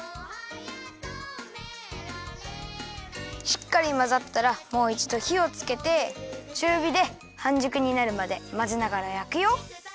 しっかりまざったらもういちどひをつけてちゅうびではんじゅくになるまでまぜながらやくよ。